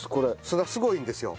砂すごいんですよ。